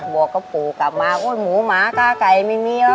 บอกกับปู่กลับมาโอ๊ยหมูหมากาไก่ไม่มีหรอก